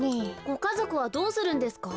ごかぞくはどうするんですか？